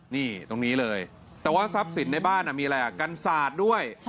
นี่ตรงนี้เลยแต่ว่าทรัพย์สินในบ้านมีอะไรกันศาสตร์ด้วย